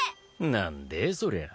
何でぇそりゃあ。